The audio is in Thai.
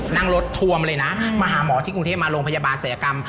นั่งรถทวมเลยนะมาหาหมอที่กรุงเทพมาโรงพยาบาลศัยกรรม